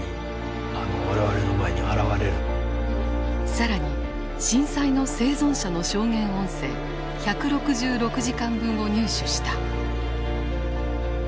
更に震災の生存者の証言音声１６６時間分を入手した。